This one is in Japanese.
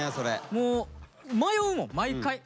もう迷うもん毎回。